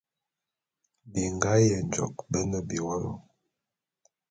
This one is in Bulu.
Bingá Yenjôk bé ne biwólo.